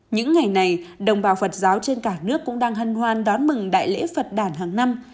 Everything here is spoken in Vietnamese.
những ngày này đồng bào phật giáo trên cả nước cũng đang hân hoan đón mừng đại lễ phật đàn hàng năm